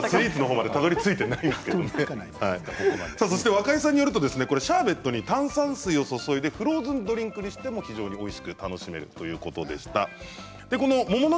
若井さんによるとシャーベットに炭酸水を注いでフローズンドリンクにしても楽しめるということでした。